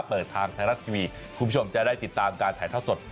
เปิดทางไทยรัฐทีวีคุณผู้ชมจะได้ติดตามการถ่ายทอดสด